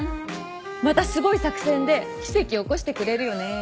またすごい作戦で奇跡を起こしてくれるよね。